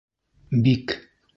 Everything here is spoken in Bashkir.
Бик